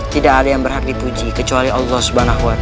tidak ada yang berhak dipuji kecuali allah swt